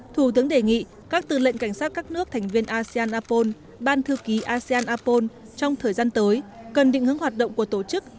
thủ tướng đề nghị các tư lệnh cảnh sát các nước thành viên asean apol ban thư ký asean apol trong thời gian tới cần định hướng hoạt động của tổ chức